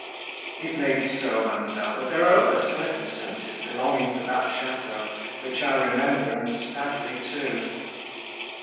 "It may be so, ma'amselle, but there are other circumstances, belonging to that château, which I remember, and sadly too."